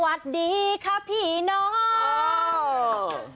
สวัสดีค่ะพี่น้อง